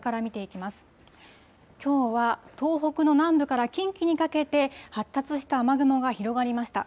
きょうは東北の南部から近畿にかけて、発達した雨雲が広がりました。